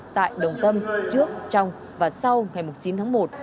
tại đồng tâm trước trong và sau ngày một mươi chín tháng một